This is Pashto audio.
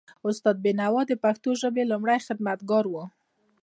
استاد بینوا د پښتو ژبې لوی خدمتګار و.